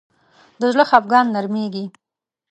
د زړه خفګان نرمېږي